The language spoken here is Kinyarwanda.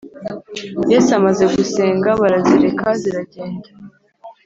Yesu amaze gusenga barazireka ziragenda